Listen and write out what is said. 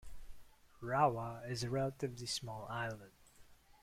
Rawa is a relatively small island.